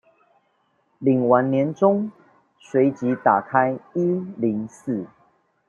領完年終隨即打開一零四